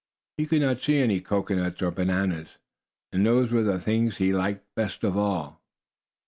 He could not see any cocoanuts or bananas, and those were the things he liked best of all.